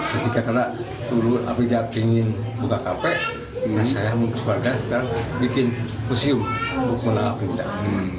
ketika kanak turun afrizah ingin buka kafe saya menggerakkan bikin museum untuk menang afrizah